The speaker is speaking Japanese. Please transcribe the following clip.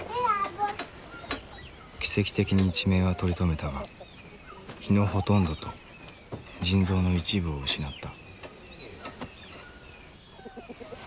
奇跡的に一命は取り留めたが胃のほとんどと腎臓の一部を失った。